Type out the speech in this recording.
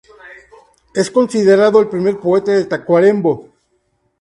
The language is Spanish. Es considerado el primer poeta de Tacuarembó.